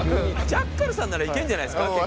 ジャッカルさんならいけるんじゃないですか結構。